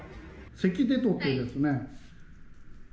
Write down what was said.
せき出とってですね。